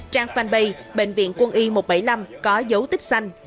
trang fanpage bệnh viện quân y một trăm bảy mươi năm có dấu tích xanh